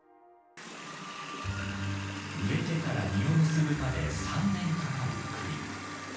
植えてから実を結ぶまで３年かかるクリ。